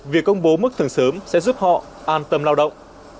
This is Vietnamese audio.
việc công bố mức thưởng sớm sẽ giúp họ an tâm lao động